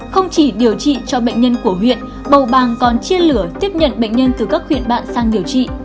không chỉ điều trị cho bệnh nhân của huyện bầu bàng còn chia lửa tiếp nhận bệnh nhân từ các huyện bạn sang điều trị